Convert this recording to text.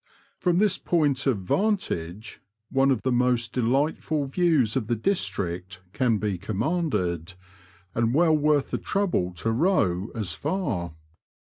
From this point of 'vantage one of the most delightful views in the district can be commanded, and well worth the trouble to row as far.